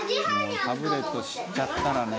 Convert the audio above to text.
タブレット知っちゃったらね。